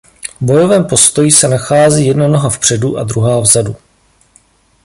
V bojovém postoji se nachází jedna noha vpředu a druhá vzadu.